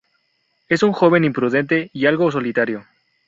Es un joven imprudente y algo solitario.